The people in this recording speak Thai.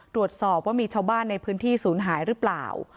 ตรวจสอบว่ามีชาวบ้านในพื้นที่ศูนย์หายหรือเปล่า